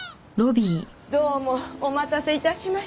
どうもお待たせいたしました。